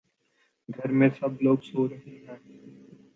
گھر میں سب لوگ سو رہے ہیں